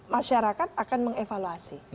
masyarakat akan mengevaluasi